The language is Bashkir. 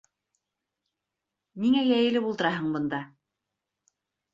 Ниңә йәйелеп ултыраһың бында?